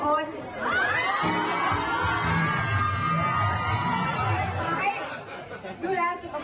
ต้องหรอกอะ